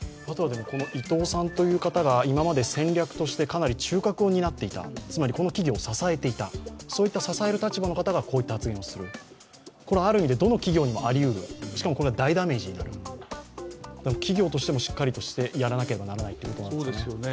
伊東さんという方が、今まで戦略としてかなり中核を担っていたつまりこの企業を支えていた、そういった支える立場の方がこのような発言をするある意味でどの企業にもなりうる、しかも大ダメージになる、企業としてもしっかりとしてやらなければならないということなんですね。